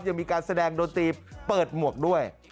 ยังมีการแสดงดนตรีเปิดหมวกด้วย